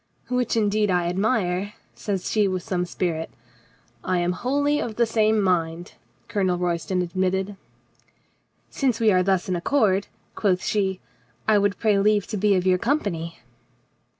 "Which indeed I admire," says she with some spirit. "I am wholly of the same mind," Colonel Royston admitted. "Since we are thus in accord," quoth she, "I would pray leave to be of your company."